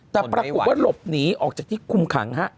แต่ปรากฏว่าหลบหนีออกจากที่คุมขังฮะ